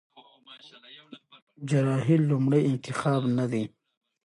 جراحي لومړی انتخاب نه دی.